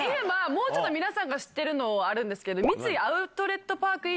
もうちょっと皆さんが知ってるのあるんです。